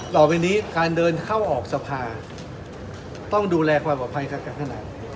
ต่อไปนี้การเดินเข้าออกสภาต้องดูแลความประภัยกันขนาดนี้